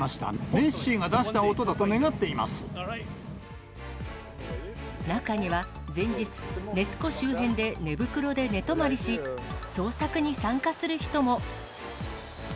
ネッシーが出した音だと願ってい中には前日、ネス湖周辺で寝袋で寝泊まりし、捜索に参加する人も。